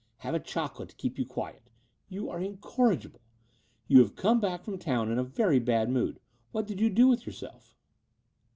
"Have a chocolate to keep you quiet? You are incorrigible. You have come back from town in a very bad mood. What did you do with yourself